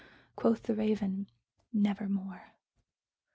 Quoth the Raven, "Nevermore."